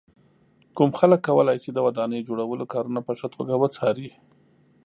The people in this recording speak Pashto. کوم خلک کولای شي د ودانۍ جوړولو کارونه په ښه توګه وڅاري.